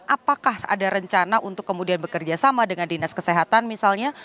apakah ada rencana untuk kemudian bekerja sama dengan dinas kesehatan misalnya